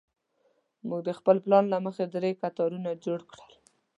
موږ د خپل پلان له مخې درې کتارونه جوړ کړل.